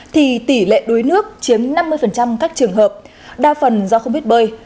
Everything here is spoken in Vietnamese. thì tỷ lệ đuối nước chiếm năm mươi các trường hợp đa phần do không biết bơi